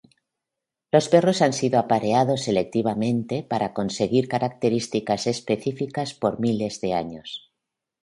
Los perros han sido apareados selectivamente para conseguir características específicas por miles de años.